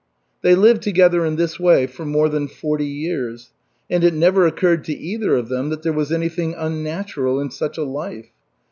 They lived together in this way for more than forty years, and it never occurred to either of them that there was anything unnatural in such a life.